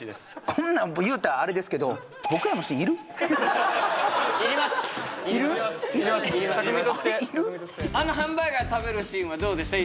こんなん言うたらあれですけどいりますいります巧としてあのハンバーガー食べるシーンはどうでした？